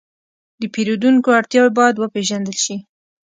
د پیرودونکو اړتیاوې باید وپېژندل شي.